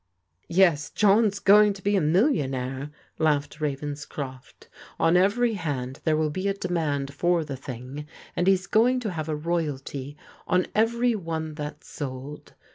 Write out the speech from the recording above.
" "Yes, John's going to be a millionaire," laughed Ravenscroft. " On every hand there will be a demand for the thing, and he's going to have a royalty on every one that's sold.